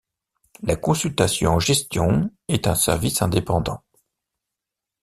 La consultation en gestion est un service indépendant.